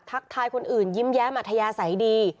ทักทายคนอื่นยิ้มแย้มอัธยาศัยดี